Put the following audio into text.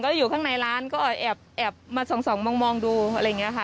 แล้วอยู่ข้างในร้านก็แอบมาส่องมองดูอะไรอย่างนี้ค่ะ